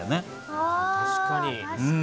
あ確かに。